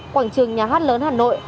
quảng trường nhà hát lớn hà nội